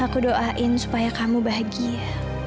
aku doain supaya kamu bahagia